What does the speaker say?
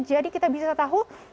jadi kita bisa tahu